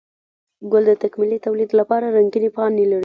گل د تکميلي توليد لپاره رنګينې پاڼې لري